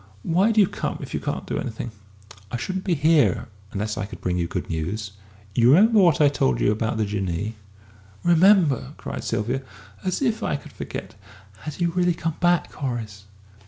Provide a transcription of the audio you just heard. Why do you come if you can't do anything?" "I shouldn't be here unless I could bring you good news. You remember what I told you about the Jinnee?" "Remember!" cried Sylvia. "As if I could forget! Has he really come back, Horace?"